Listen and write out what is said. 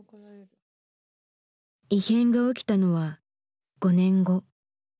異変が起きたのは５年後。